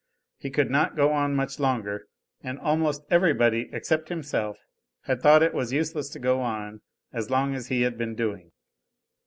He could not go on much longer, and almost everybody except himself had thought it was useless to go on as long as he had been doing.